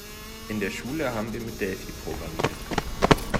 In der Schule haben wir mit Delphi programmiert.